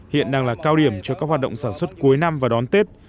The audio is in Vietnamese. hiện đang là cao điểm cho các hoạt động sản xuất cuối năm và đón tết